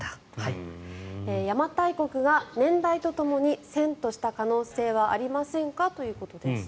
邪馬台国が年代とともに遷都した可能性はありませんかということです。